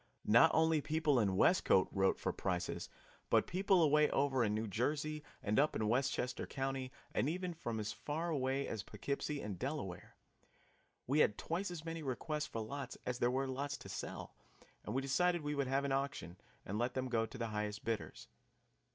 Not only people in Westcote wrote for prices, but people away over in New Jersey and up in Westchester Country, and even from as far away as Poughkeepsie and Delaware. We had twice as many requests for lots as there were lots to sell, and we decided we would have an auction and let them go to the highest bidders.